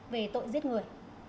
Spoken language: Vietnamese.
về tội giết người